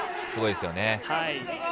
すごいですよね。